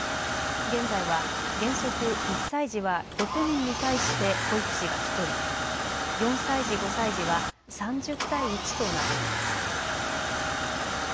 現在は原則１歳児は６人に対して保育士が１人４歳児・５歳児は３０対１となっています。